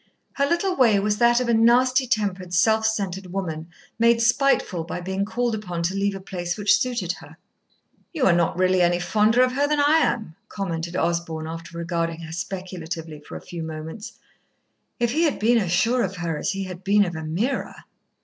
Her little way was that of a nasty tempered, self centred woman, made spiteful by being called upon to leave a place which suited her. "You are not really any fonder of her than I am," commented Osborn, after regarding her speculatively a few moments. If he had been as sure of her as he had been of Ameerah